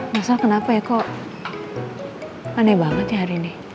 masalah kenapa ya kok aneh banget ya hari ini